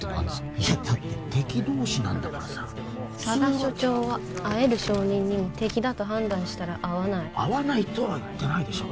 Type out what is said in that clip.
いやだって敵同士なんだからさ佐田所長は会える証人にも敵だと判断したら会わない会わないとは言ってないでしょ